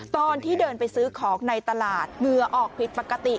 ตอนที่เดินไปซื้อของในตลาดเหงื่อออกผิดปกติ